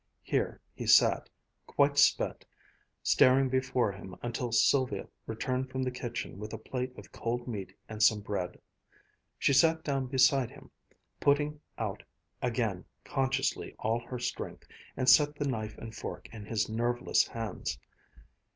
Here he sat, quite spent, staring before him until Sylvia returned from the kitchen with a plate of cold meat and some bread. She sat down beside him, putting out again consciously all her strength, and set the knife and fork in his nerveless hands.